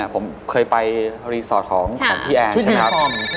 ผมเคยไปรีสอร์ทของพี่แอนใช่ไหมครับ